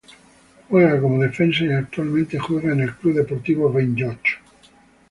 Juega como defensa y actualmente juega en el C. D. Benlloch.